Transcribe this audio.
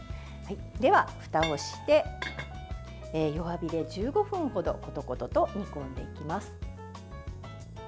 では、ふたをして弱火で１５分ほどコトコトと煮込んでいきます。